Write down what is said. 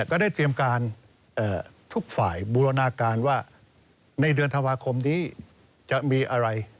ก็ได้เตรียมการทุกฝ่ายบูรณาการว่าในเดือนธันวาคมนี้จะมีอะไร